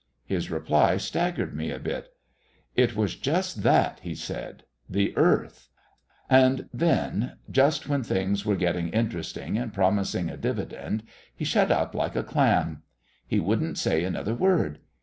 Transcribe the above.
His reply staggered me a bit. "It was just that," he said "the Earth!" And then, just when things were getting interesting and promising a dividend, he shut up like a clam. He wouldn't say another word.